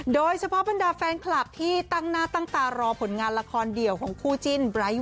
โดยเฉพาะบรรดาแฟนคลับที่ตั้งหน้าตั้งตารอผลงานละครเดี่ยวของคู่จิ้นไร้